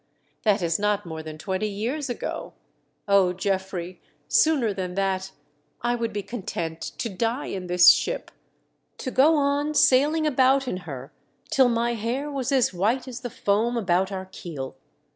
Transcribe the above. That is not more than twenty years ago. O, Geoffrey, sooner than that — I would be content to die in this ship — to go on sailing about in her till my hair was as white as the foam about our keel